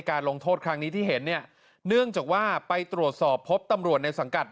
ลงโทษครั้งนี้ที่เห็นเนี่ยเนื่องจากว่าไปตรวจสอบพบตำรวจในสังกัด